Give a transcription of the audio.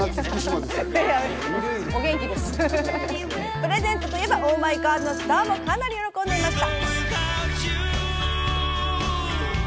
プレゼントといえば、ＯｈＭｙＧｏｄなスターもかなり喜んでいました。